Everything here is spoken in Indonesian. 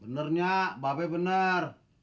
benernya babay bener